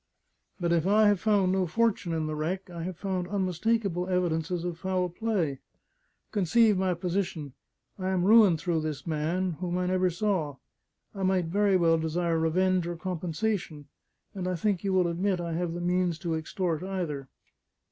But if I have found no fortune in the wreck, I have found unmistakable evidences of foul play. Conceive my position: I am ruined through this man, whom I never saw; I might very well desire revenge or compensation; and I think you will admit I have the means to extort either."